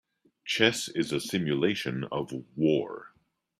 Chess is a simulation of war.